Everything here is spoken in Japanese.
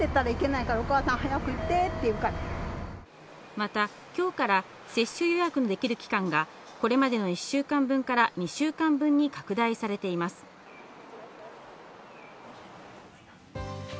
また今日から接種予約できる期間がこれまでの１週間分から２週間分に拡大されています。